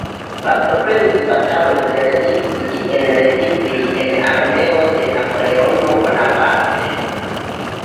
Partoprenis batalon de Leipzig en Leipzig en armeo de Napoleono Bonaparte.